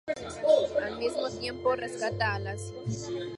Al mismo tiempo, rescata a Lacy.